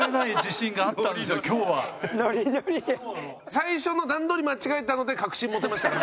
最初の段取り間違えたので確信持てましたね